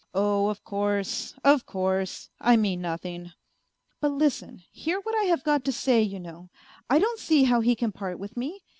" Oh, of course, of course, I mean nothing." " But listen, hear what I have got to say you know, I don't see how he can part with me.